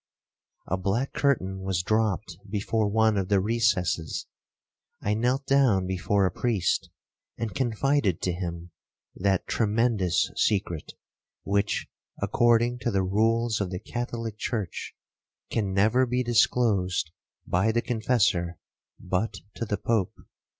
A black curtain was dropt before one of the recesses; I knelt down before a priest, and confided to him that tremendous secret, which, according to the rules of the Catholic church, can never be disclosed by the confessor but to the Pope.